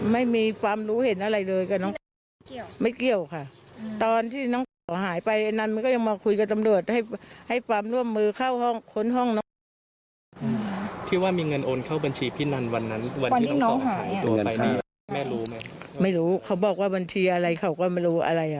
ไม่รู้เขาบอกว่าวันทีอะไรเขาก็ไม่รู้อะไร